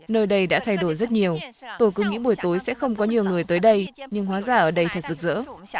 nơi đây đã thay đổi rất nhiều tôi cứ nghĩ buổi tối sẽ không có nhiều người tới đây nhưng hóa ra ở đây thật rực rỡ